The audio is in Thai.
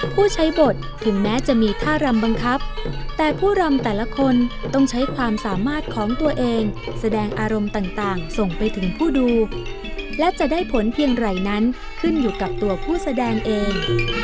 ผู้ใช้บทถึงแม้จะมีท่ารำบังคับแต่ผู้รำแต่ละคนต้องใช้ความสามารถของตัวเองแสดงอารมณ์ต่างส่งไปถึงผู้ดูและจะได้ผลเพียงไรนั้นขึ้นอยู่กับตัวผู้แสดงเอง